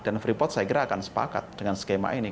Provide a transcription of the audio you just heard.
dan pripot saya kira akan sepakat dengan skema ini